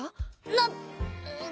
なっ！？